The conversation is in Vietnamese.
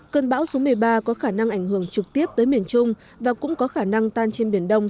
cơn bão số một mươi ba có khả năng ảnh hưởng trực tiếp tới miền trung và cũng có khả năng tan trên biển đông